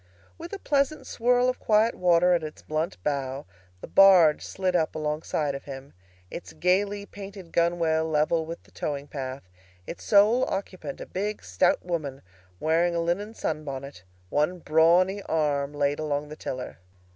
With a pleasant swirl of quiet water at its blunt bow the barge slid up alongside of him, its gaily painted gunwale level with the towing path, its sole occupant a big stout woman wearing a linen sun bonnet, one brawny arm laid along the tiller.